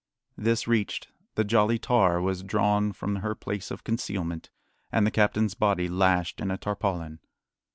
This reached, the Jolly Tar was drawn from her place of concealment, and the captain's body lashed in a tarpaulin.